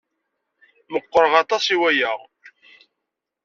Meqqṛeɣ aṭas i waya.